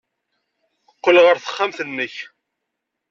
Qqel ɣer texxamt-nnek.